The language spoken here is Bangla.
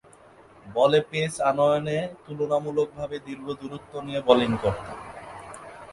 বলে পেস আনয়ণে তুলনামূলকভাবে দীর্ঘ দূরত্ব নিয়ে বোলিং করতেন।